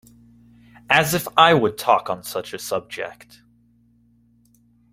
As if I would talk on such a subject!